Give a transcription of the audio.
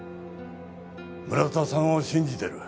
村田さんを信じてる。